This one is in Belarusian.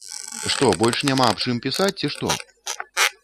Што, больш няма аб чым пісаць, ці што?